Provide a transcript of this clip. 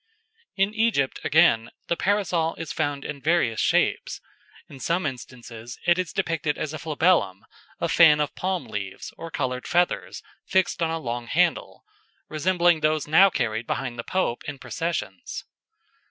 In Egypt again, the Parasol is found in various shapes. In some instances it is depicted as a flabellum, a fan of palm leaves or coloured feathers fixed on a long handle, resembling those now carried behind the Pope in processions.